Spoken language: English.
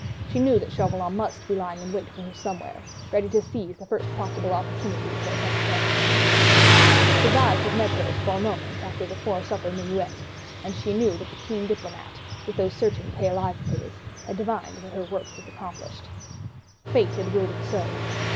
She knew that Chauvelin must be lying in wait for her somewhere, ready to seize the first possible opportunity for a tête à tête. His eyes had met hers for a moment after the 'fore supper minuet, and she knew that the keen diplomatist, with those searching pale eyes of his, had divined that her work was accomplished. Fate had willed it so.